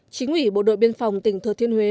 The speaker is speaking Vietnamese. chính ủy bộ đội biên phòng tỉnh thừa thiên huế